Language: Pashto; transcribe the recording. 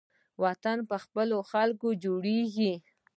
وطن په خپلو خلکو جوړیږي